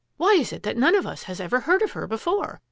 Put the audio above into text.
Why is it that none of us has ever heard of her before?